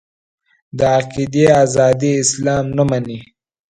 د عقیدې ازادي اسلام نه مني.